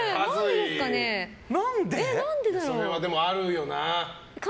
それはあるよな。